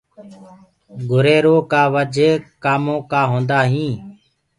گُريرو ڪآ وجھ ڪآمو هوندآ هينٚ۔